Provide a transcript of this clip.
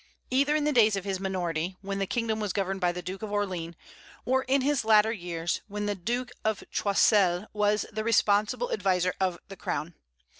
either in the days of his minority, when the kingdom was governed by the Duke of Orleans, or in his latter years, when the Duke of Choiseul was the responsible adviser of the crown.